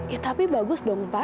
ya tapi bagus dong pak